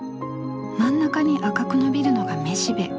真ん中に赤く伸びるのがめしべ。